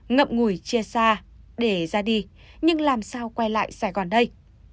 ngậm ngùi chia xa để ra đi nhưng làm sao quay lại sài gòn đây